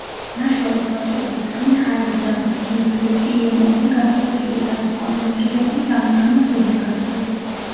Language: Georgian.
ნაშრომის ავტორების თქმით, ჰაერის დამბინძურებელი პიემ-ორი განსაკუთრებით არის კონცენტრირებული სამანქანო გზების გასწვრივ.